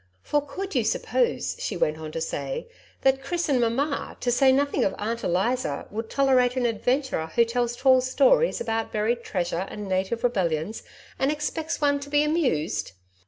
For could you suppose," she went on to say, "that Chris and Mama to say nothing of Aunt Eliza would tolerate an adventurer who tells tall stories about buried treasure and native rebellions and expects one to be amused!"